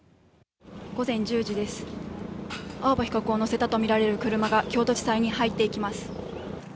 午前１０時です、青葉被告を乗せたとみられる車が京都地裁に入っていきます。